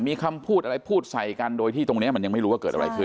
มีคำพูดอะไรพูดใส่กันโดยที่ตรงนี้มันยังไม่รู้ว่าเกิดอะไรขึ้น